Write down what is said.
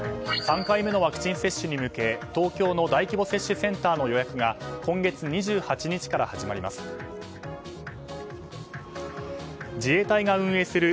３回目のワクチン接種に向け東京の大規模接種センターの予約が今月２８日から始まります。